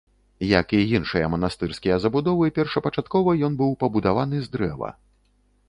Як і іншыя манастырскія забудовы, першапачаткова ён быў пабудаваны з дрэва.